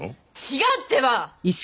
違うってば！